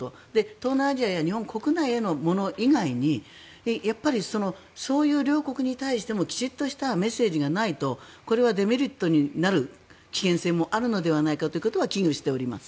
東南アジアや日本国内へのもの以外にやっぱりそういう両国に対してもきちんとしたメッセージがないとこれはデメリットになる危険性もあるのではないかということは危惧しております。